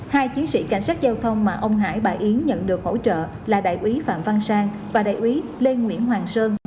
hai chiến sĩ cảnh sát giao thông mà ông hải bà yến nhận được hỗ trợ là đại úy phạm văn sang và đại úy lê nguyễn hoàng sơn